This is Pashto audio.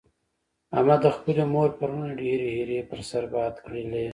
احمد د خپلې مور پر مړینه ډېرې ایرې پر سر باد کړلې.